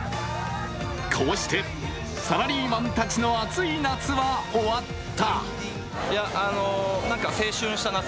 こうしてサラリーマンたちのアツい夏は終わった。